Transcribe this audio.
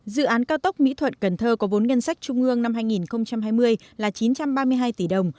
dự án cao tốc mỹ thuận cần thơ có vốn ngân sách trung ương năm hai nghìn hai mươi là chín trăm ba mươi hai tỷ đồng